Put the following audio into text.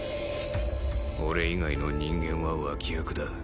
俺以外の人間は脇役だ